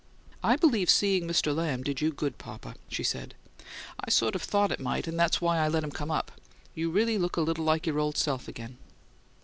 "I believe seeing Mr. Lamb did do you good, papa," she said. "I sort of thought it might, and that's why I let him come up. You really look a little like your old self again."